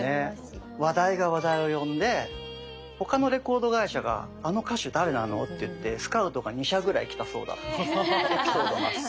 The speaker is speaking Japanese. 話題が話題を呼んで他のレコード会社が「あの歌手誰なの？」っていってスカウトが２社ぐらい来たそうだというエピソードもあって。